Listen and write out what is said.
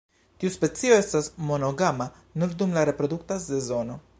Tiu specio estas monogama nur dum la reprodukta sezono.